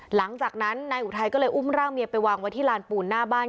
หลังจากนั้นนายอุทัยก็เลยอุ้มร่างเมียไปวางไว้ที่ลานปูนหน้าบ้าน